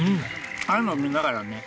ああいうの見ながらね。